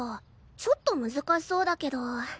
ちょっと難しそうだけど。